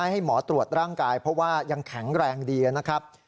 ให้หมอตรวจร่างกายเพราะว่ายังแข็งแรงดีนะครับ